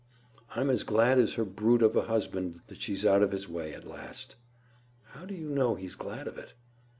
I'm as glad as her brute of a husband, that she's out of his way at last." "How do you know he's glad of it?"